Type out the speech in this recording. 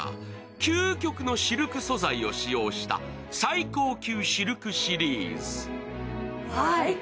究極のシルク素材を使用した最高級シルクシリーズ。